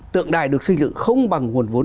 tượng đài được xây dựng không bằng nguồn vốn